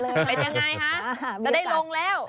เป็นยังไงคะจะได้ลงแล้ว